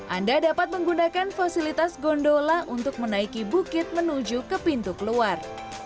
anda dapat menggunakan fasilitas gondola untuk menaiki bukit menuju ke pintu keluar